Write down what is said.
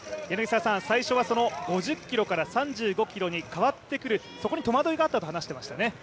最初は５０ｋｍから３５ｋｍに変わってくるそこに戸惑いがあったと話していましたね。